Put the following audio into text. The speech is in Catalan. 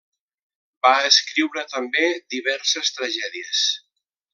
Va escriure també diverses tragèdies.